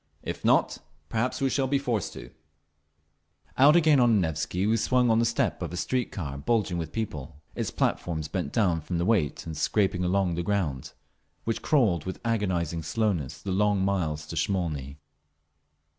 If not, perhaps we shall be forced to…." Out again on the Nevsky we swung on the step of a streetcar bulging with people, its platforms bent down from the weight and scraping along the ground, which crawled with agonising slowness the long miles to Smolny.